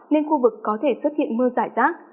nên khu vực có thể xuất hiện mưa giải rác